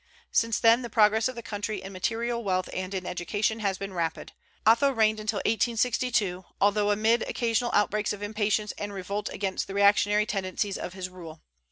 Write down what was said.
Since then the progress of the country in material wealth and in education has been rapid. Otho reigned till 1862, although amid occasional outbreaks of impatience and revolt against the reactionary tendencies of his rule.